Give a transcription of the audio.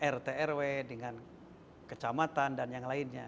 rt rw dengan kecamatan dan yang lainnya